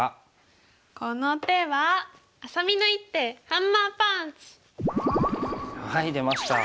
この手はあさみの一手ハンマーパンチ！出ました。